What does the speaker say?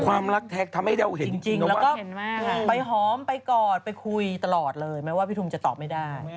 ความรักแท็กทำให้เราเห็นจริงแล้วก็ไปหอมไปกอดไปคุยตลอดเลยแม้ว่าพี่ทุมจะตอบไม่ได้